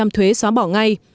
chín mươi chín thuế xóa bỏ ngay